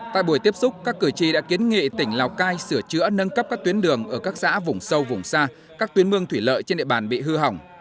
tại buổi tiếp xúc các cử tri đã kiến nghị tỉnh lào cai sửa chữa nâng cấp các tuyến đường ở các xã vùng sâu vùng xa các tuyến mương thủy lợi trên địa bàn bị hư hỏng